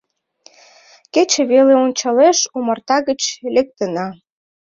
Кече веле ончалеш Омарта гыч лектына